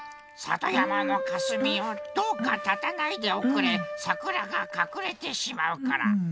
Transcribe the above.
さとやまのかすみよどうかたたないでおくれさくらがかくれてしまうから。